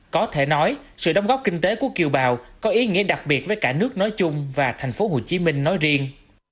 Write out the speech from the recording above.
có thể nói sự đóng góp kinh tế của kiều bào có ý nghĩa đặc biệt với cả nước nói chung và thành phố hồ chí minh nói riêng